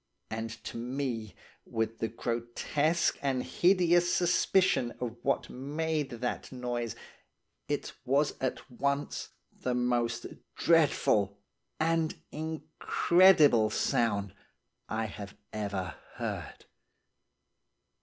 And to me, with the grotesque and hideous suspicion of what made that noise, it was at once the most dreadful and incredible sound I have ever heard.